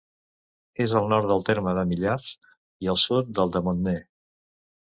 És al nord del terme de Millars i al sud del de Montner.